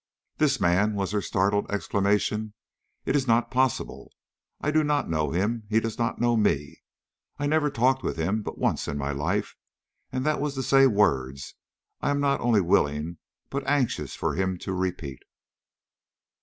"This man!" was her startled exclamation. "It is not possible; I do not know him; he does not know me. I never talked with him but once in my life, and that was to say words I am not only willing but anxious for him to repeat."